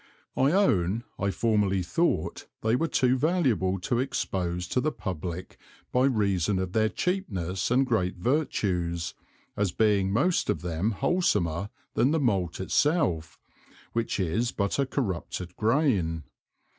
I own, I formerly thought they were too valuable to expose to the Publick by reason of their Cheapness and great Virtues, as being most of them wholsomer than the Malt itself, which is but a corrupted Grain.